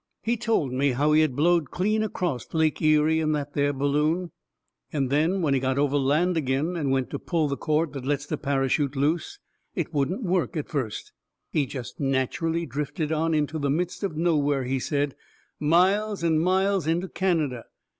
He told me how he had blowed clean acrost Lake Erie in that there balloon. And then when he got over land agin and went to pull the cord that lets the parachute loose it wouldn't work at first. He jest natcherally drifted on into the midst of nowhere, he said miles and miles into Canada.